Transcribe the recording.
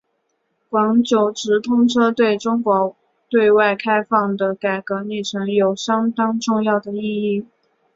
广九直通车对中国对外开放的改革历程有相当重要的意义。